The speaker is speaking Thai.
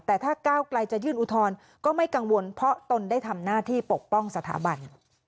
แต่ถ้าก้าวไกลจะยื่นอุทธรณ์ก็ไม่กังวลเพราะตนได้ทำหน้าที่ปกป้องสถาบัน